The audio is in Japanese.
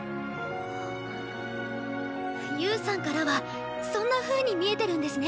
侑さんからはそんなふうに見えてるんですね。